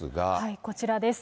こちらです。